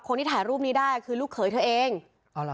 คนที่ถ่ายรูปนี้ได้คือลูกเขยเธอเองอ๋อเหรอ